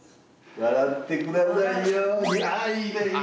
わらってくださいよ。